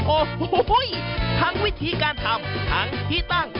โอ้โหทั้งวิธีการทำทั้งที่ตั้ง